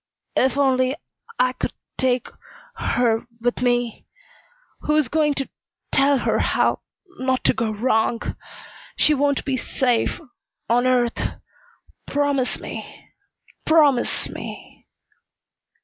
If only I could take her with me! Who's going to tell her how not to go wrong? She won't be safe on earth. Promise me promise me!"